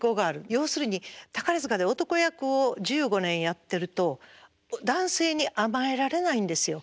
要するに宝塚で男役を１５年やってると男性に甘えられないんですよ。